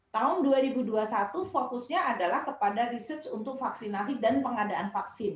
tahun dua ribu dua puluh satu fokusnya adalah kepada research untuk vaksinasi dan pengadaan vaksin